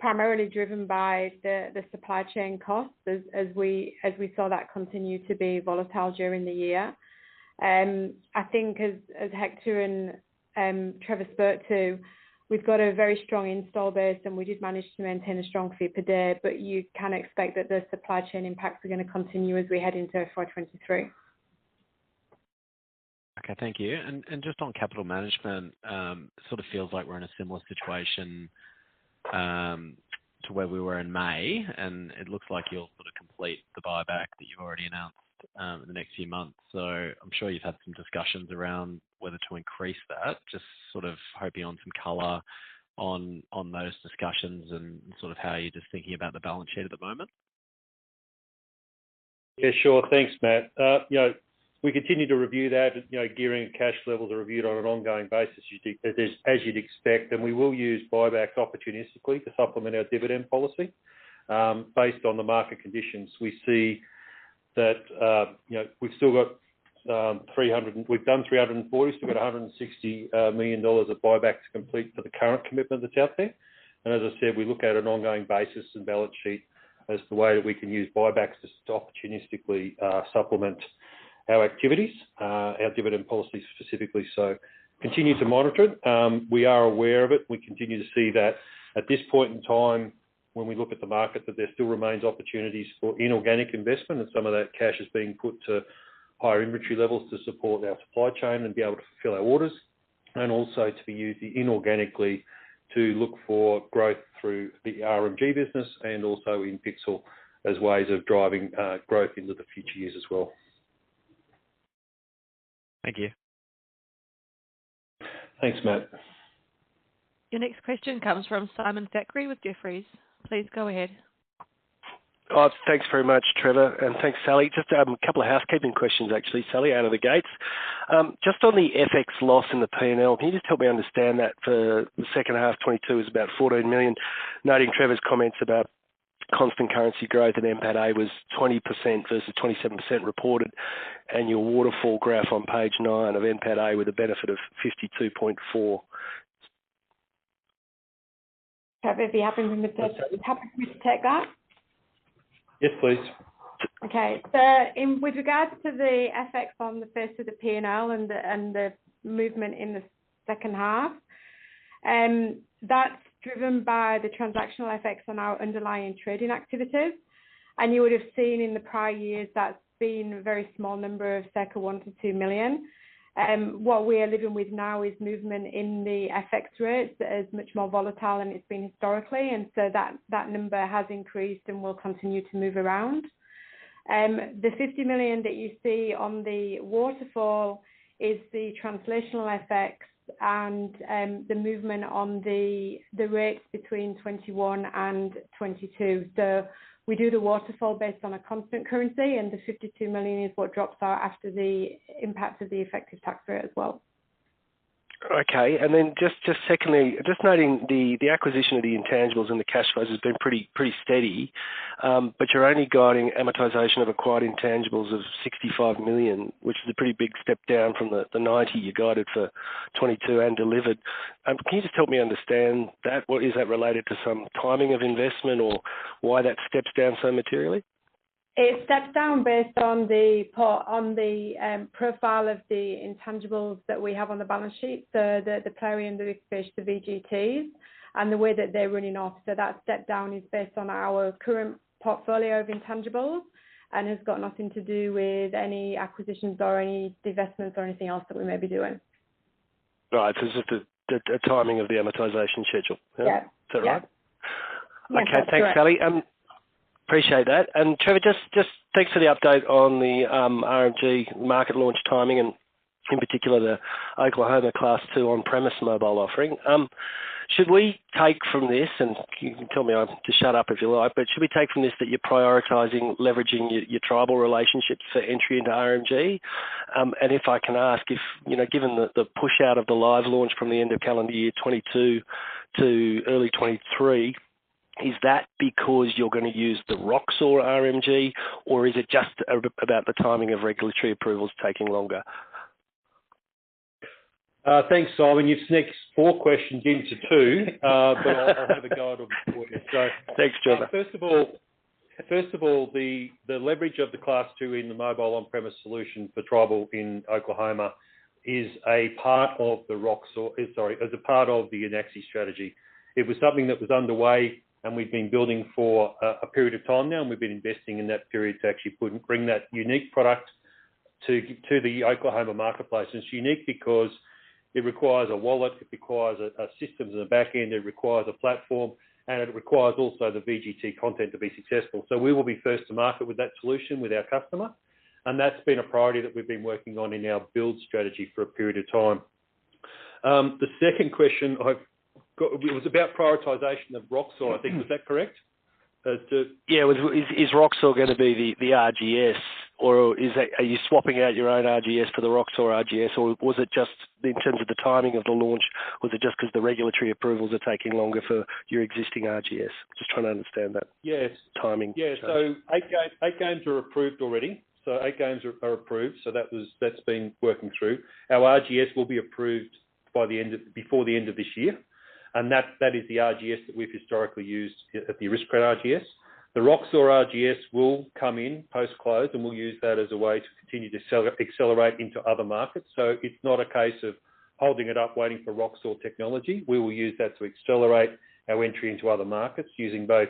primarily driven by the supply chain costs as we saw that continue to be volatile during the year. I think as Hector and Trevor spoke to, we've got a very strong install base, and we did manage to maintain a strong fee per day, but you can expect that the supply chain impacts are gonna continue as we head into FY 2023. Okay. Thank you. Just on capital management, sort of feels like we're in a similar situation to where we were in May, and it looks like you'll sort of complete the buyback that you've already announced in the next few months. I'm sure you've had some discussions around whether to increase that. Just sort of hoping on some color on those discussions and sort of how you're just thinking about the balance sheet at the moment. Yeah, sure. Thanks, Matt. We continue to review that. Gearing and cash levels are reviewed on an ongoing basis as you'd expect, and we will use buybacks opportunistically to supplement our dividend policy, based on the market conditions. We see that we've done 340 million, still got 160 million dollars of buybacks complete for the current commitment that's out there. As I said, we look at on an ongoing basis and balance sheet as the way that we can use buybacks to opportunistically supplement our activities, our dividend policy specifically. Continue to monitor it. We are aware of it. We continue to see that at this point in time, when we look at the market, that there still remains opportunities for inorganic investment, and some of that cash is being put to higher inventory levels to support our supply chain and be able to fulfill our orders. Also to be used inorganically to look for growth through the RMG business and also in Pixel as ways of driving, growth into the future years as well. Thank you. Thanks, Matt. Your next question comes from Simon Thackray with Jefferies. Please go ahead. Oh, thanks very much, Trevor. Thanks, Sally. Just a couple of housekeeping questions, actually, Sally, out of the gates. Just on the FX loss in the P&L. Can you just help me understand that for the second half 2022 is about 14 million. Noting Trevor's comments about constant currency growth at NPATA was 20% versus 27% reported. Your waterfall graph on page nine of NPATA with a benefit of 52.4 million. Trevor, if you happen to be close, would you be happy for me to take that? Yes, please. Okay. With regards to the FX on the first of the P&L and the movement in the second half, that's driven by the transactional effects on our underlying trading activities. You would have seen in the prior years that's been a very small number of circa 1 million-2 million. What we are living with now is movement in the FX rates that is much more volatile than it's been historically. That number has increased and will continue to move around. The 50 million that you see on the waterfall is the translational effects and the movement on the rates between 2021 and 2022. We do the waterfall based on a constant currency, and the 52 million is what drops out after the impact of the effective tax rate as well. Okay. Just secondly, just noting the acquisition of the intangibles and the cash flows has been pretty steady. But you're only guiding amortization of acquired intangibles of 65 million, which is a pretty big step down from the 90 million you guided for 2022 and delivered. Can you just help me understand that? What is that related to some timing of investment or why that steps down so materially? It steps down based on the profile of the intangibles that we have on the balance sheet. The Plarium, the Big Fish, the VGTs and the way that they're running off. That step down is based on our current portfolio of intangibles and has got nothing to do with any acquisitions or any divestments or anything else that we may be doing. Right. It's just the timing of the amortization schedule? Yeah. Is that right? Yeah. Okay. That's correct. Thanks, Sally. Appreciate that. Trevor, just thanks for the update on the RMG market launch timing and in particular, the Oklahoma Class II on-premise mobile offering. Should we take from this, and you can tell me to shut up if you like, but should we take from this that you're prioritizing leveraging your tribal relationships for entry into RMG? If I can ask, you know, given the push out of the live launch from the end of calendar year 2022 to early 2023, is that because you're gonna use the Roxor RMG or is it just about the timing of regulatory approvals taking longer? Thanks, Simon. You've sneaked four questions into two. But I'll have a go at all four here. Thanks, Trevor. First of all, the leverage of the Class II in the mobile on-premise solution for tribal in Oklahoma is a part of the Roxor, sorry part of the Anaxi strategy. It was something that was underway and we've been building for a period of time now, and we've been investing in that period to actually put and bring that unique product to the Oklahoma marketplace. It's unique because it requires a wallet, it requires a systems in the back end, it requires a platform, and it requires also the VGT content to be successful. We will be first to market with that solution with our customer, and that's been a priority that we've been working on in our build strategy for a period of time. The second question I've got was about prioritization of Roxor, I think. Is that correct? Yeah. Is Roxor gonna be the RGS or are you swapping out your own RGS for the Roxor RGS? Was it just in terms of the timing of the launch? Was it just 'cause the regulatory approvals are taking longer for your existing RGS? Just trying to understand that. Yeah. -timing. Yeah. Eight games are approved already. That was—that's been working through. Our RGS will be approved before the end of this year. That is the RGS that we've historically used, the Aristocrat RGS. The Roxor RGS will come in post-close, and we'll use that as a way to accelerate into other markets. It's not a case of holding it up, waiting for Roxor technology. We will use that to accelerate our entry into other markets using both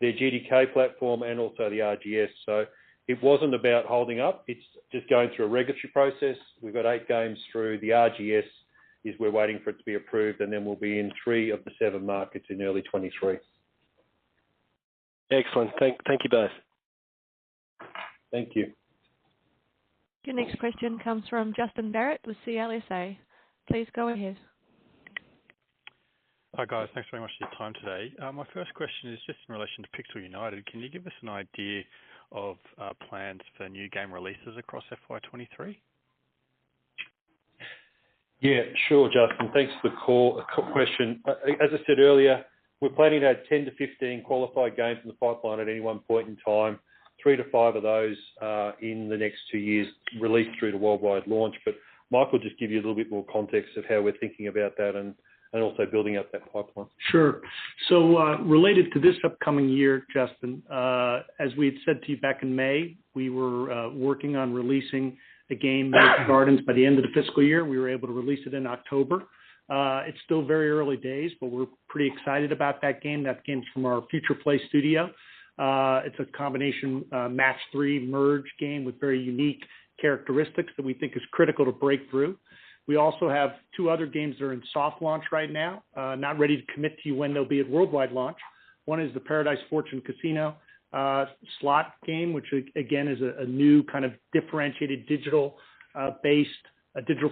their GDK platform and also the RGS. It wasn't about holding up. It's just going through a regulatory process. We've got eight games through the RGS. We're waiting for it to be approved, and then we'll be in three of the seven markets in early 2023. Excellent. Thank you both. Thank you. Your next question comes from Justin Barratt with CLSA. Please go ahead. Hi, guys. Thanks very much for your time today. My first question is just in relation to Pixel United. Can you give us an idea of plans for new game releases across FY 2023? Yeah, sure, Justin, thanks for the call. A question. As I said earlier, we're planning to have 10-15 qualified games in the pipeline at any one point in time, three to five of those in the next two years released through the worldwide launch. Mike will just give you a little bit more context of how we're thinking about that and also building out that pipeline. Sure. Related to this upcoming year, Justin, as we had said to you back in May, we were working on releasing a game, Merge Gardens, by the end of the fiscal year. We were able to release it in October. It's still very early days, but we're pretty excited about that game. That game's from our Futureplay studio. It's a combination match-three merge game with very unique characteristics that we think is critical to breakthrough. We also have two other games that are in soft launch right now, not ready to commit to you when they'll be at worldwide launch. One is the Paradise Fortune Casino slot game, which again is a new kind of differentiated digital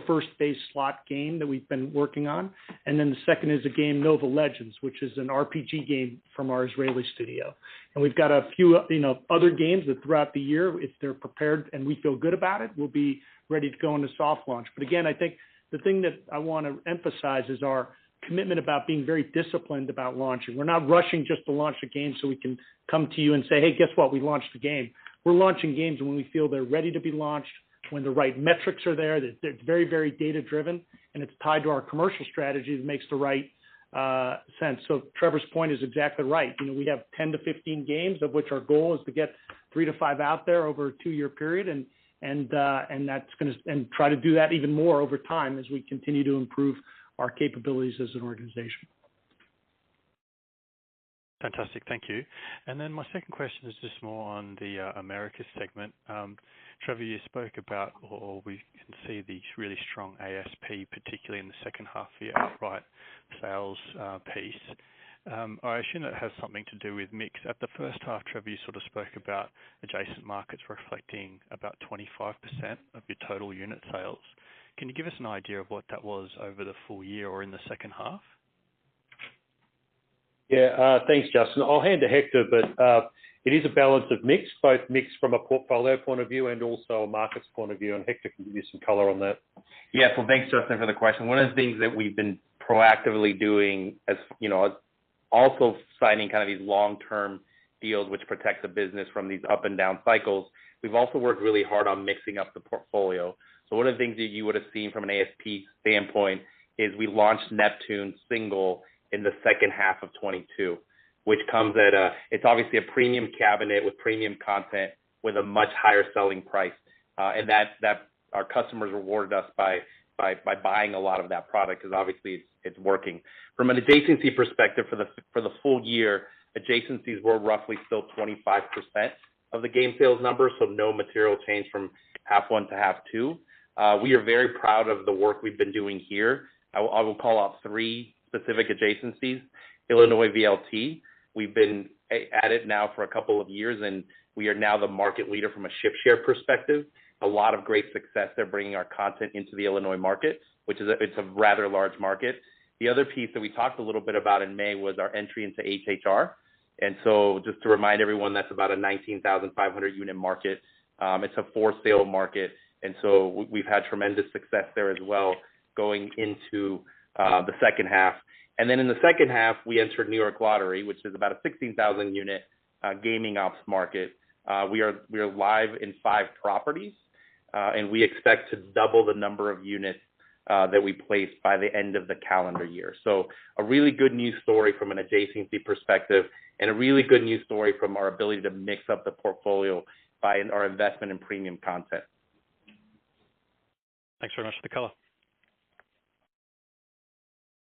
first-based slot game that we've been working on. Then the second is a game, Nova Legends, which is an RPG game from our Israeli studio. We've got a few, you know, other games that throughout the year, if they're prepared and we feel good about it, we'll be ready to go into soft launch. Again, I think the thing that I wanna emphasize is our commitment about being very disciplined about launching. We're not rushing just to launch a game so we can come to you and say, "Hey, guess what? We launched a game." We're launching games when we feel they're ready to be launched, when the right metrics are there. They're very, very data-driven, and it's tied to our commercial strategy that makes the right sense. Trevor's point is exactly right. You know, we'd have 10-15 games, of which our goal is to get three to five out there over a two-year period, and try to do that even more over time as we continue to improve our capabilities as an organization. Fantastic. Thank you. My second question is just more on the Americas segment. Trevor, you spoke about or we can see the really strong ASP, particularly in the second half of the outright sales piece. I assume that has something to do with mix. In the first half, Trevor, you sort of spoke about adjacent markets reflecting about 25% of your total unit sales. Can you give us an idea of what that was over the full year or in the second half? Yeah. Thanks, Justin. I'll hand to Hector, but it is a balance of mix, both mix from a portfolio point of view and also a markets point of view, and Hector can give you some color on that. Yeah. Well, thanks, Justin, for the question. One of the things that we've been proactively doing, you know, also signing kind of these long-term deals, which protect the business from these up and down cycles. We've also worked really hard on mixing up the portfolio. So one of the things that you would have seen from an ASP standpoint is we launched Neptune Single in the second half of 2022, which comes at a. It's obviously a premium cabinet with premium content with a much higher selling price. And that's our customers rewarded us by buying a lot of that product because obviously it's working. From an adjacency perspective for the full year, adjacencies were roughly still 25% of the game sales numbers, so no material change from half one to half two. We are very proud of the work we've been doing here. I will call out three specific adjacencies. Illinois VLT, we've been at it now for a couple of years, and we are now the market leader from a ship share perspective. A lot of great success. They're bringing our content into the Illinois market, which is a rather large market. The other piece that we talked a little bit about in May was our entry into HHR. Just to remind everyone, that's about a 19,500 unit market. It's a for-sale market. We've had tremendous success there as well going into the second half. In the second half, we entered New York Lottery, which is about a 16,000 unit gaming ops market. We are live in five properties, and we expect to double the number of units that we place by the end of the calendar year. A really good news story from an adjacency perspective and a really good news story from our ability to mix up the portfolio by our investment in premium content. Thanks very much for the color.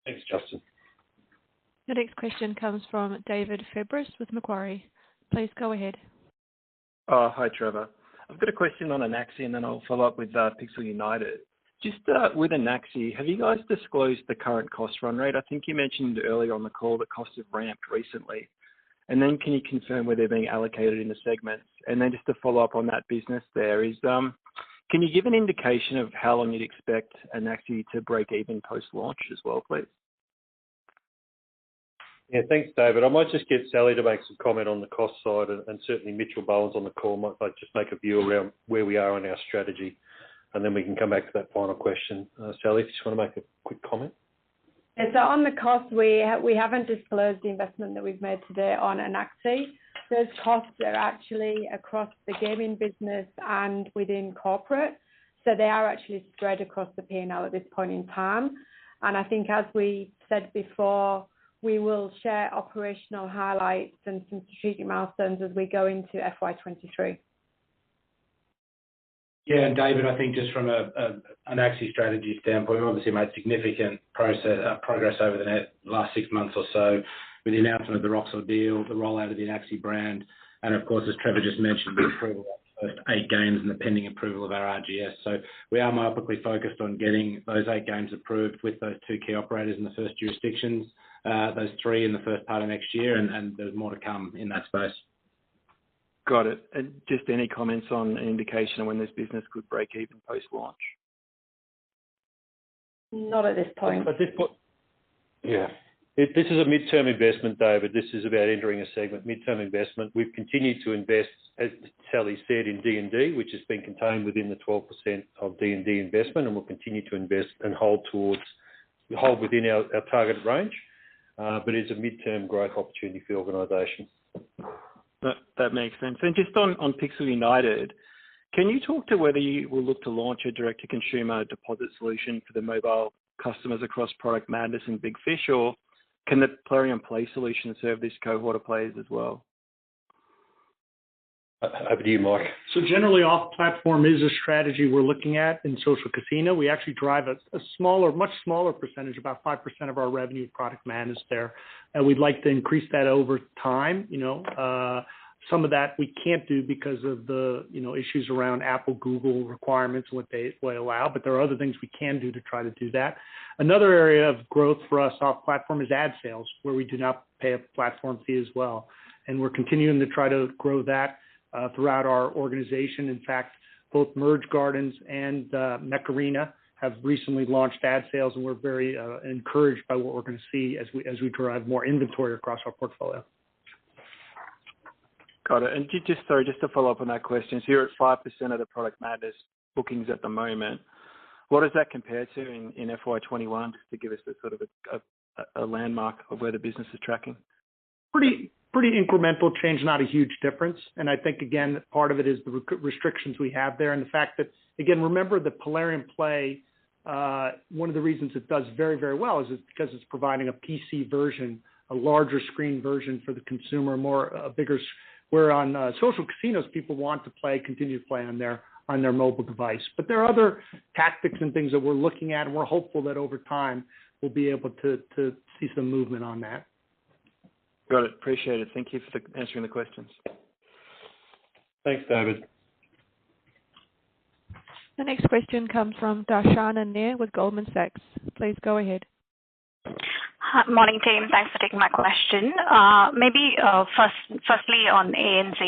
Thanks, Justin. The next question comes from David Fabris with Macquarie. Please go ahead. Hi, Trevor. I've got a question on Anaxi, and then I'll follow up with Pixel United. Just with Anaxi, have you guys disclosed the current cost run rate? I think you mentioned earlier on the call that costs have ramped recently. Then can you confirm where they're being allocated in the segments? Just to follow up on that business, can you give an indication of how long you'd expect Anaxi to break even post-launch as well, please? Yeah. Thanks, David. I might just get Sally to make some comment on the cost side, and certainly Mitchell Bowen on the call might just make a view around where we are on our strategy, and then we can come back to that final question. Sally, if you just wanna make a quick comment. Yeah. On the cost, we haven't disclosed the investment that we've made to date on Anaxi. Those costs are actually across the gaming business and within corporate. They are actually spread across the P&L at this point in time. I think as we said before, we will share operational highlights and some strategic milestones as we go into FY 2023. Yeah. David, I think just from an Anaxi strategy standpoint, we've obviously made significant progress over the last six months or so with the announcement of the Roxor deal, the rollout of the Anaxi brand, and of course, as Trevor just mentioned, the approval of eight games and the pending approval of our RGS. We are markedly focused on getting those eight games approved with those two key operators in the first jurisdictions, those three in the first part of next year, and there's more to come in that space. Got it. Just any comments on an indication of when this business could break even post-launch? Not at this point. Yeah. This is a midterm investment, David. This is about entering a segment midterm investment. We've continued to invest, as Sally said, in D&D, which has been contained within the 12% of D&D investment, and we'll continue to invest and hold within our target range. It's a midterm growth opportunity for the organization. That makes sense. Just on Pixel United, can you talk to whether you will look to launch a direct-to-consumer deposit solution for the mobile customers across Product Madness and Big Fish? Or can the Plarium Play solution serve this cohort of players as well? Over to you, Mike. Generally, off-platform is a strategy we're looking at in social casino. We actually drive a smaller, much smaller percentage, about 5% of our revenue Product Madness there. We'd like to increase that over time. You know, some of that we can't do because of the, you know, issues around Apple, Google requirements and what they would allow. But there are other things we can do to try to do that. Another area of growth for us off-platform is ad sales, where we do not pay a platform fee as well, and we're continuing to try to grow that throughout our organization. In fact, both Merge Gardens and Mech Arena have recently launched ad sales, and we're very encouraged by what we're gonna see as we drive more inventory across our portfolio. Got it. Just to follow up on that question. You're at 5% of the Product Madness bookings at the moment. What does that compare to in FY 2021 to give us the sort of a landmark of where the business is tracking? Pretty incremental change, not a huge difference. I think again, part of it is the restrictions we have there and the fact that. Again, remember that Plarium Play, one of the reasons it does very, very well is it's because it's providing a PC version, a larger screen version for the consumer, whereas on social casinos, people want to play, continue to play on their mobile device. There are other tactics and things that we're looking at, and we're hopeful that over time we'll be able to see some movement on that. Got it. Appreciate it. Thank you for answering the questions. Thanks, David. The next question comes from Darshana Nair with Goldman Sachs. Please go ahead. Morning, team. Thanks for taking my question. Maybe, firstly on ANZ.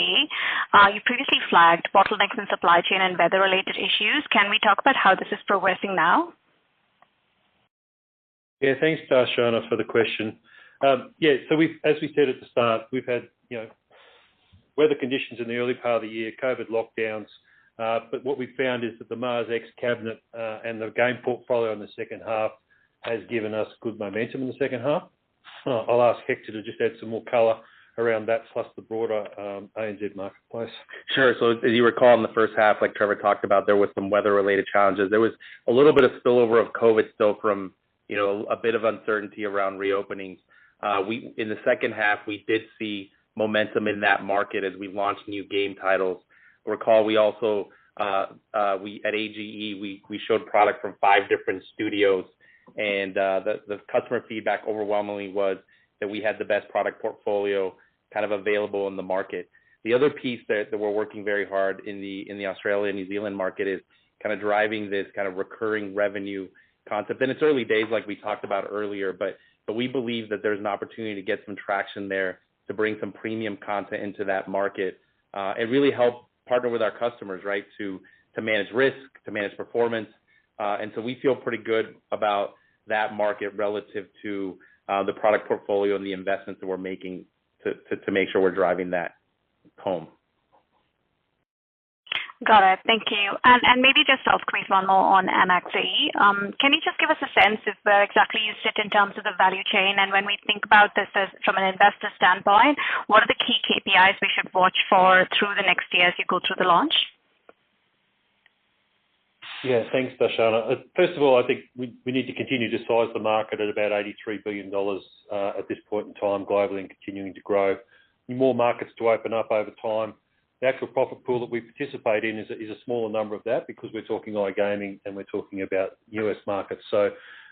You previously flagged bottlenecks in supply chain and weather-related issues. Can we talk about how this is progressing now? Yeah. Thanks, Darshana, for the question. As we said at the start, we've had, you know, weather conditions in the early part of the year, COVID lockdowns. What we found is that the MarsX cabinet and the game portfolio in the second half has given us good momentum in the second half. I'll ask Hector to just add some more color around that, plus the broader ANZ marketplace. Sure. As you recall in the first half, like Trevor talked about, there was some weather-related challenges. There was a little bit of spillover of COVID still from, you know, a bit of uncertainty around reopenings. In the second half, we did see momentum in that market as we launched new game titles. Recall we also, at G2E, we showed product from five different studios and the customer feedback overwhelmingly was that we had the best product portfolio kind of available in the market. The other piece that we're working very hard in the Australia, New Zealand market is kind of driving this kind of recurring revenue concept. It's early days like we talked about earlier, but we believe that there's an opportunity to get some traction there to bring some premium content into that market, and really help partner with our customers, right, to manage risk, to manage performance. We feel pretty good about that market relative to the product portfolio and the investments that we're making to make sure we're driving that home. Got it. Thank you. Maybe just a quick one more on Anaxi. Can you just give us a sense of where exactly you sit in terms of the value chain? When we think about this from an investor standpoint, what are the key KPIs we should watch for through the next year as you go through the launch? Yeah. Thanks, Darshana. First of all, I think we need to continue to size the market at about $83 billion at this point in time globally and continuing to grow. More markets to open up over time. The actual profit pool that we participate in is a smaller number of that because we're talking iGaming and we're talking about U.S. markets.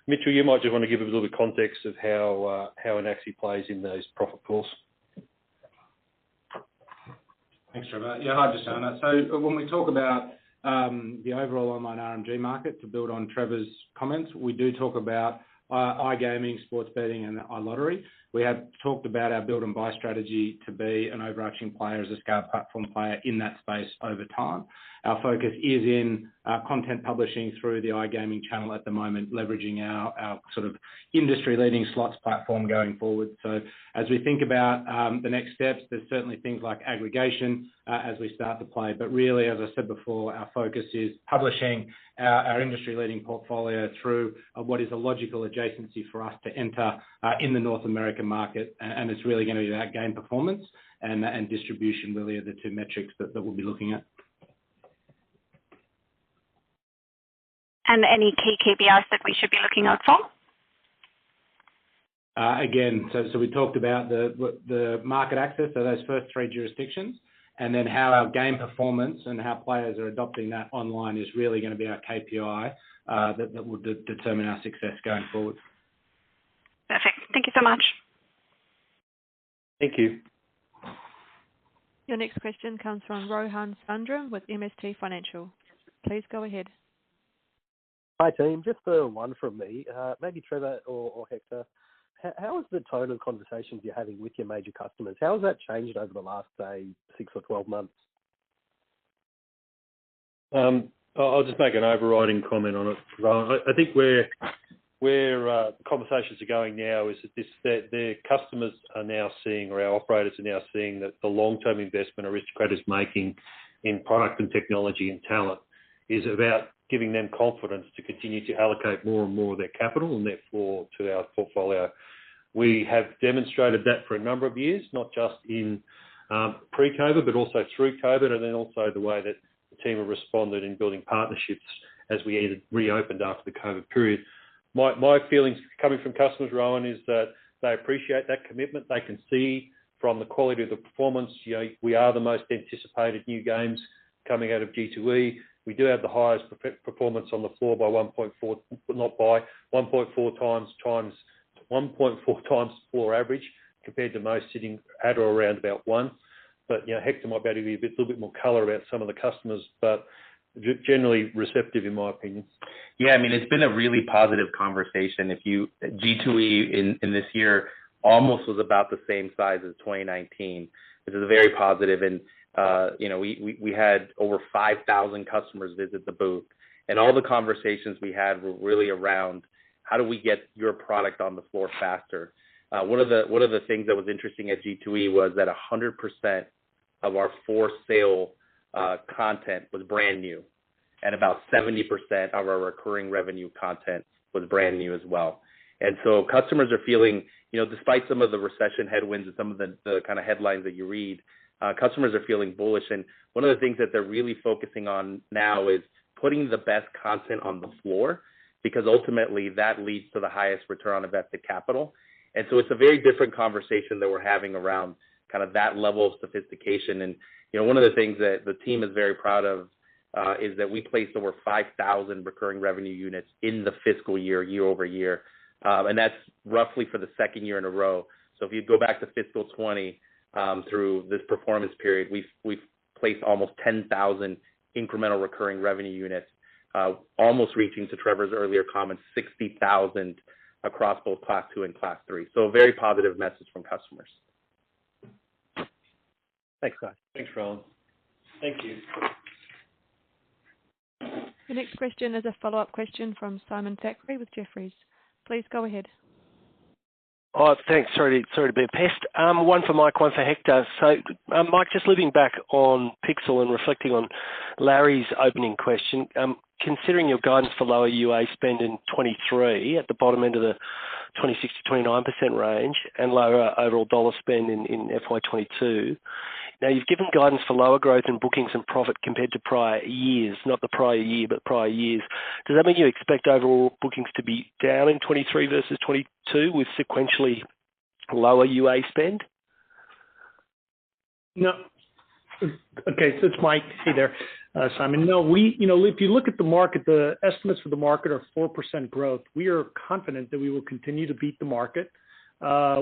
Mitchell, you might just want to give a little bit of context of how Anaxi plays in those profit pools. Thanks, Trevor. Yeah, hi, Darshana. When we talk about the overall online RMG market, to build on Trevor's comments, we do talk about iGaming, sports betting and iLottery. We have talked about our build and buy strategy to be an overarching player as a scale platform player in that space over time. Our focus is in content publishing through the iGaming channel at the moment, leveraging our sort of industry-leading slots platform going forward. As we think about the next steps, there's certainly things like aggregation as we start to play. But really, as I said before, our focus is publishing our industry-leading portfolio through what is a logical adjacency for us to enter in the North American market. It's really gonna be that game performance and distribution really are the two metrics that we'll be looking at. Any key KPIs that we should be looking out for? Again, we talked about the market access, those first three jurisdictions, and then how our game performance and how players are adopting that online is really gonna be our KPI, that will determine our success going forward. Perfect. Thank you so much. Thank you. Your next question comes from Rohan Sundram with MST Financial. Please go ahead. Hi, team. Just one from me. Maybe Trevor or Hector, how is the tone of conversations you're having with your major customers? How has that changed over the last, say, six or 12 months? I'll just make an overriding comment on it. I think where conversations are going now is that the customers are now seeing or our operators are now seeing that the long-term investment Aristocrat is making in product and technology and talent is about giving them confidence to continue to allocate more and more of their capital, and therefore, to our portfolio. We have demonstrated that for a number of years, not just in pre-COVID, but also through COVID and then also the way that the team have responded in building partnerships as we either reopened after the COVID period. My feelings coming from customers, Rohan, is that they appreciate that commitment. They can see from the quality of the performance, you know, we are the most anticipated new games coming out of G2E. We do have the highest per-performance on the floor by 1.4, but not by 1.4 times, 1.4 times floor average compared to most sitting at or around about one. You know, Hector might be able to give you a bit, little bit more color about some of the customers, but generally receptive in my opinion. Yeah. I mean, it's been a really positive conversation. G2E in this year almost was about the same size as 2019, which is very positive. We had over 5,000 customers visit the booth. All the conversations we had were really around how do we get your product on the floor faster. One of the things that was interesting at G2E was that 100% of our floor sale content was brand new, and about 70% of our recurring revenue content was brand new as well. Customers are feeling, despite some of the recession headwinds and some of the kinda headlines that you read, customers are feeling bullish. One of the things that they're really focusing on now is putting the best content on the floor, because ultimately that leads to the highest return on invested capital. It's a very different conversation that we're having around kind of that level of sophistication. You know, one of the things that the team is very proud of is that we placed over 5,000 recurring revenue units in the fiscal year year-over-year. That's roughly for the second year in a row. If you go back to fiscal 2020 through this performance period, we've placed almost 10,000 incremental recurring revenue units, almost reaching, to Trevor's earlier comment, 60,000 across both Class II and Class III. A very positive message from customers. Thanks, guys. Thanks, Rohan. Thank you. The next question is a follow-up question from Simon Thackray with Jefferies. Please go ahead. Thanks. Sorry to be a pest. One for Mike, one for Hector. Mike, just looping back on Pixel and reflecting on Larry's opening question. Considering your guidance for lower UA spend in 2023 at the bottom end of the 26%-29% range and lower overall dollar spend in FY 2022. Now, you've given guidance for lower growth in bookings and profit compared to prior years, not the prior year, but prior years. Does that mean you expect overall bookings to be down in 2023 versus 2022 with sequentially lower UA spend? It's Mike. Hey there, Simon. You know, if you look at the market, the estimates for the market are 4% growth. We are confident that we will continue to beat the market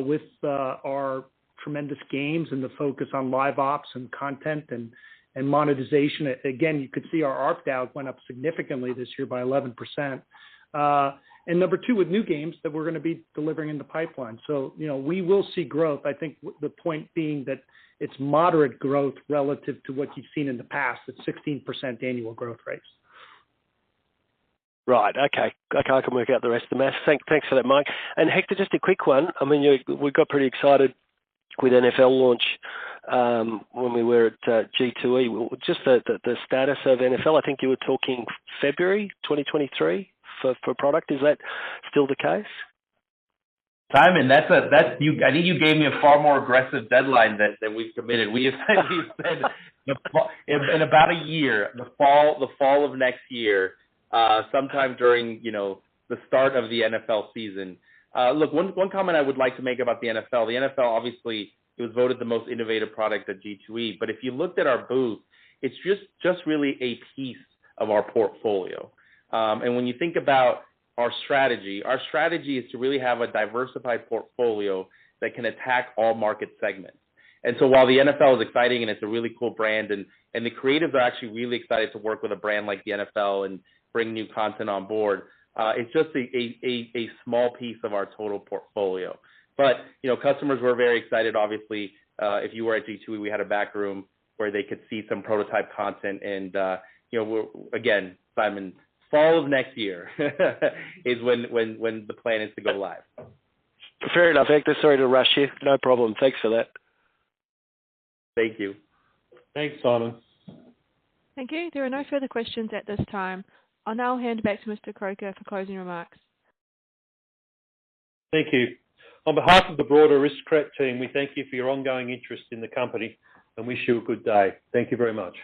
with our tremendous gains and the focus on Live Ops and content and monetization. Again, you could see our ARPDAU went up significantly this year by 11%. And number two, with new games that we're gonna be delivering in the pipeline. You know, we will see growth. I think the point being that it's moderate growth relative to what you've seen in the past, the 16% annual growth rates. Right. Okay. I can work out the rest of the math. Thanks for that, Mike. Hector, just a quick one. I mean we got pretty excited with NFL launch when we were at G2E. Just the status of NFL. I think you were talking February 2023 for product. Is that still the case? Simon, that's. I think you gave me a far more aggressive deadline than we committed. We have said in about a year, the fall of next year, sometime during, you know, the start of the NFL season. Look, one comment I would like to make about the NFL. The NFL, obviously, it was voted the most innovative product at G2E. If you looked at our booth, it's just really a piece of our portfolio. When you think about our strategy, our strategy is to really have a diversified portfolio that can attack all market segments. While the NFL is exciting and it's a really cool brand, and the creatives are actually really excited to work with a brand like the NFL and bring new content on board, it's just a small piece of our total portfolio. You know, customers were very excited, obviously. If you were at G2E, we had a backroom where they could see some prototype content and, you know, again, Simon, fall of next year is when the plan is to go live. Fair enough, Hector. Sorry to rush you. No problem. Thanks for that. Thank you. Thanks, Simon. Thank you. There are no further questions at this time. I'll now hand back to Mr. Croker for closing remarks. Thank you. On behalf of the broader Aristocrat team, we thank you for your ongoing interest in the company and wish you a good day. Thank you very much.